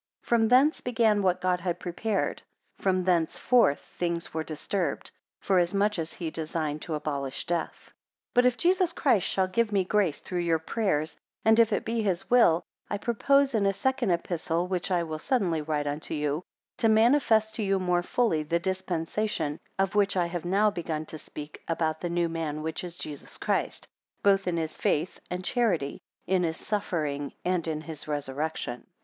14 From thence began what God had prepared: from thence. forth things were disturbed; forasmuch as he designed to abolish death. 15 But if Jesus Christ shall give me grace through your prayers, and if it be his will, I purpose in a second epistle which I will suddenly write unto you, to manifest to you more fully the dispensation of which I have now begun to speak, about the new man, which is Jesus Christ; both in his faith, and charity; in his suffering, and in his resurrection.